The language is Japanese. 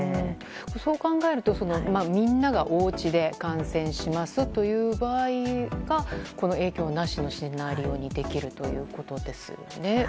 そう考えるとみんなが、おうちで観戦しますという場合が影響なしのシナリオにできるということですね。